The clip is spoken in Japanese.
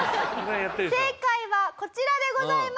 正解はこちらでございます。